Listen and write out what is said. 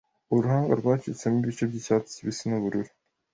Uruhanga rwacitsemo ibice byicyatsi kibisi nubururu